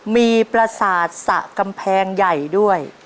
มีประสาทสระกำแพงใหญ่ด้วย